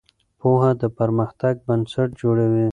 پوهه د پرمختګ بنسټ جوړوي.